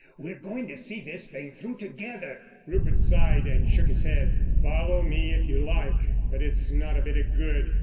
We're going to see this thing through together." Rupert sighed and shook his head: "Follow me, if you like; but it's not a bit of good.